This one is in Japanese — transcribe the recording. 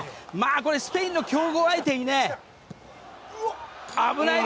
これ、スペインの強豪相手に危ない！